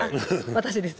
私です。